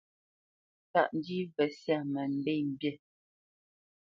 Tâʼ ndî və syâ mə mbê mbî.